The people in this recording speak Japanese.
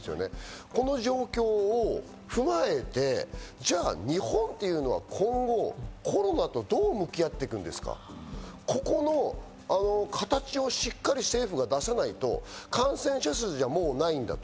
この状況を踏まえて、じゃあ日本というのは今後、コロナとどう向き合っていくんですか、ここの形をしっかり政府が出さないと感染者数じゃもうないんだと。